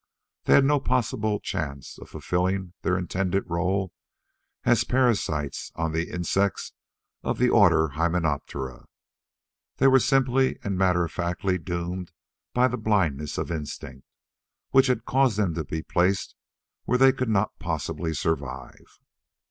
They had no possible chance of fulfilling their intended role as parasites on insects of the order hymenoptera. They were simply and matter of factly doomed by the blindness of instinct, which had caused them to be placed where they could not possibly survive.